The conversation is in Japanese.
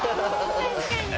確かに。